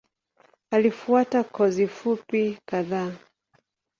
Alifuata kozi fupi kadhaa.